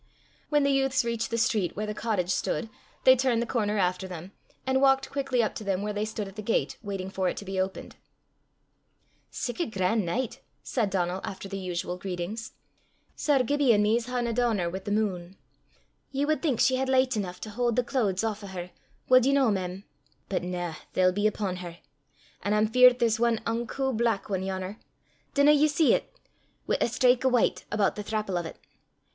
When the youths reached the street where the cottage stood, they turned the corner after them, and walked quickly up to them where they stood at the gate waiting for it to be opened. "Sic a gran' nicht!" said Donal, after the usual greetings. "Sir Gibbie an' me 's haein' a dauner wi' the mune. Ye wad think she had licht eneuch to haud the cloods aff o' her, wad ye no, mem? But na! they'll be upon her, an' I'm feart there's ae unco black ane yon'er dinna ye see 't wi' a straik o' white, aboot the thrapple o' 't?